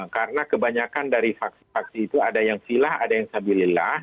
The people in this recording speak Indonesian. karena kebanyakan dari faksi faksi itu ada yang vilah ada yang sabiulillah